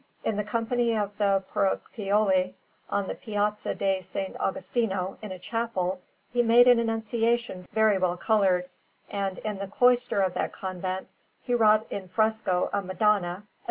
In the Company of the Puraccioli, on the Piazza di S. Agostino, in a chapel, he made an Annunciation very well coloured, and in the cloister of that convent he wrought in fresco a Madonna, a S.